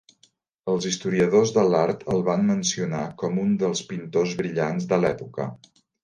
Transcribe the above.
Els historiadors de l'art el van mencionar com un dels pintors brillants de l'època.